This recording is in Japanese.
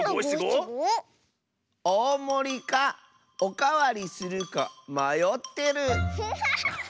「おおもりかおかわりするかまよってる」。